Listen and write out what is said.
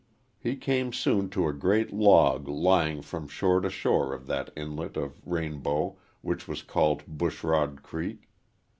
He came soon to a great log lying from shore to shore of that inlet of Rainbow which was called Bushrod Creek.